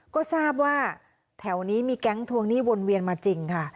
ก็ทราบว่าแถวนี้มีแก๊งทวงหนี้วนเวียนมาจริงค่ะ